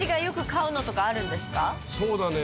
そうだね